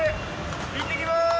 いってきます！